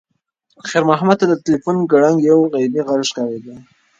خیر محمد ته د تلیفون ګړنګ یو غیبي غږ ښکارېده.